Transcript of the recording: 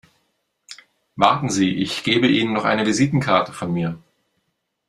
Warten Sie, ich gebe Ihnen noch eine Visitenkarte von mir.